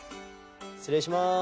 失礼します！